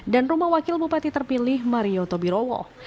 dan rumah wakil bupati terpilih mario tobirowo